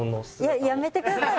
いややめてください